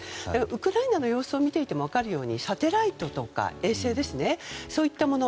ウクライナの様子を見ていても分かるようにサテライトとか衛星やそういったもの。